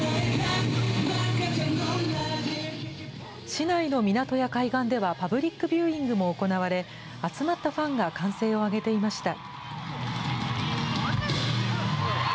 市内の港や海岸ではパブリック・ビューイングも行われ、集まったファンが歓声を上げていました。